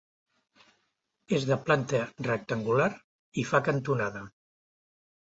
És de planta rectangular i fa cantonada.